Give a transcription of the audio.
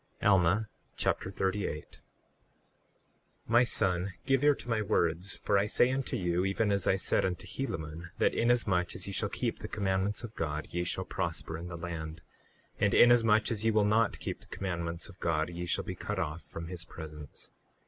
Alma Chapter 38 38:1 My son, give ear to my words, for I say unto you, even as I said unto Helaman, that inasmuch as ye shall keep the commandments of God ye shall prosper in the land; and inasmuch as ye will not keep the commandments of God ye shall be cut off from his presence.